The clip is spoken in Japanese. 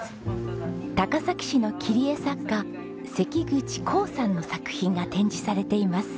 高崎市の切り絵作家関口コオさんの作品が展示されています。